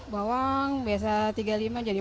bawang biasa tiga puluh lima jadi empat puluh